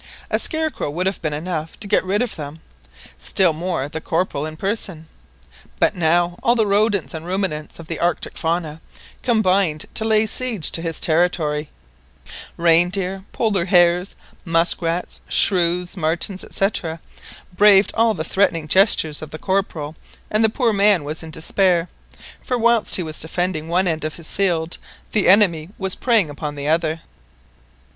A scarecrow would have been enough to get rid of them, still more the Corporal in person. But now all the rodents and ruminants of the Arctic fauna combined to lay siege to his territory; reindeer, Polar hares, musk rats, shrews, martens, &c., braved all the threatening gestures of the Corporal, and the poor man was in despair, for whilst he was defending one end of his field the enemy was preying upon the other.